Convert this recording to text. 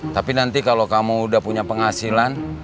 tapi nanti kalau kamu udah punya penghasilan